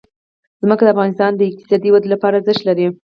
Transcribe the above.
ځمکه د افغانستان د اقتصادي ودې لپاره ارزښت لري.